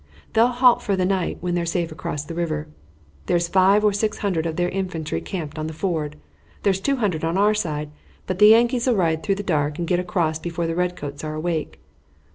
They'll halt for the night when they're safe across the river. There's five or six hundred of their infantry camped on the ford. There's two hundred on our side, but the Yankees'll ride through in the dark and get across before the redcoats are awake.